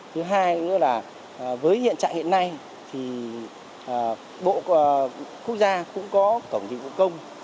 thứ hai nữa là với hiện trạng hiện nay thì bộ quốc gia cũng có cổng dịch vụ công